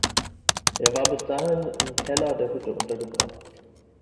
Er war bis dahin im Keller der Hütte untergebracht.